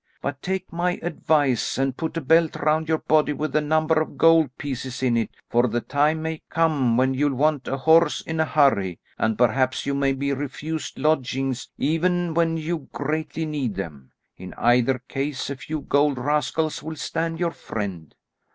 But take my advice and put a belt round your body with a number of gold pieces in it, for the time may come when you'll want a horse in a hurry, and perhaps you may be refused lodgings even when you greatly need them; in either case a few gold rascals will stand your friend."